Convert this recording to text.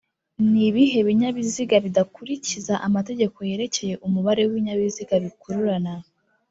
ni bihe binyabiziga bidakurikiza amategeko yerekeye Umubare w’ibinyabiziga bikururana